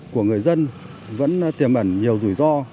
của người dân vẫn tiềm ẩn nhiều rủi ro